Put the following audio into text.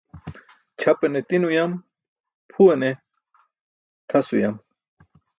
Ćʰapane tin uyam, phuwane tʰas uyam.